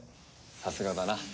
さすがだな。